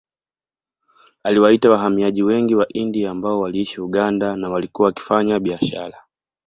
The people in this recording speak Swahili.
Aliwaita wahamiaji wengi wa India ambao waliishi Uganda na walikuwa wakifanya biashara